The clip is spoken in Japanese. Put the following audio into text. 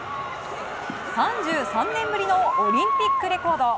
３３年ぶりのオリンピックレコード。